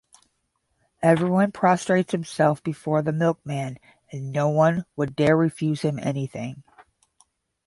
Everyone prostrates himself before the milkman, and no one would dare refuse him anything.